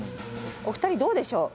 お二人どうでしょう？